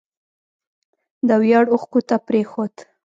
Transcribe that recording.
د ویاړ اوښکو ته پرېښود